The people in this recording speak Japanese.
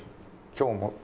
今日も。